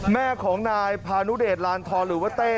แม่ของนายพานุเดชลานทรหรือว่าเต้